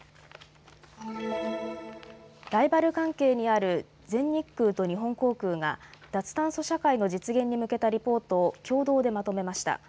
ライバル関係にある全日空と日本航空が脱炭素社会の実現に向けたリポートを共同でまとめました。